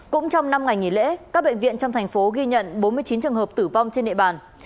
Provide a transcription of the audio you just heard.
cũng trong năm ngày nghỉ lễ các bệnh viện trong thành phố ghi nhận bốn mươi chín trường hợp tử vong trên địa bàn